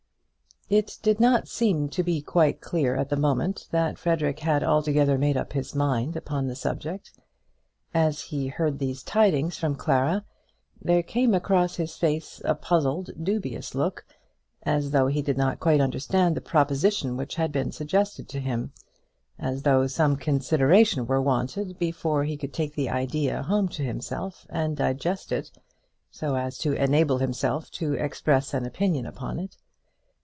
It did not seem to be quite clear at the moment that Frederic had altogether made up his mind upon the subject. As he heard these tidings from Clara there came across his face a puzzled, dubious look, as though he did not quite understand the proposition which had been suggested to him; as though some consideration were wanted before he could take the idea home to himself and digest it, so as to enable himself to express an opinion upon it.